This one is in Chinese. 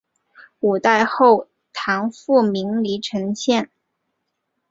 五代后唐复名黎城县。